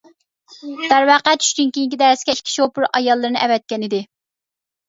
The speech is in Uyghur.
دەرۋەقە چۈشتىن كېيىنكى دەرسكە ئىككى شوپۇر ئاياللىرىنى ئەۋەتكەنىدى.